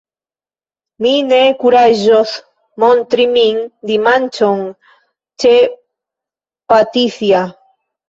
mi ne kuraĝos montri min, dimanĉon, ĉe Patisja!